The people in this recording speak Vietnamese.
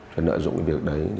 chuyên lợi dụng cái việc đấy